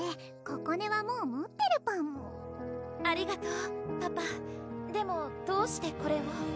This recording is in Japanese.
ここねはもう持ってるパムありがとうパパでもどうしてこれを？